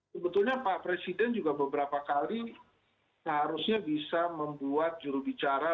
sebetulnya pak presiden juga beberapa kali seharusnya bisa membuat jurubicara